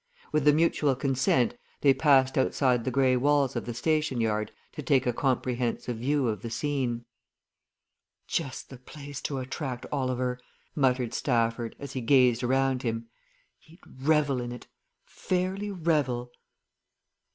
With a mutual consent they passed outside the grey walls of the station yard to take a comprehensive view of the scene. "Just the place to attract Oliver!" muttered Stafford, as he gazed around him. "He'd revel in it fairly revel!"